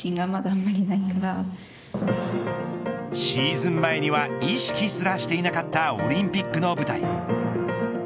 シーズン前には意識すらしていなかったオリンピックの舞台。